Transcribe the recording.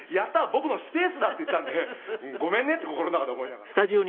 僕のスペースだ”って言ったんでごめんねって心の中で思いながら」